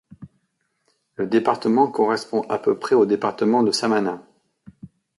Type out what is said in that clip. Le département correspond à peu près au Département de Samana.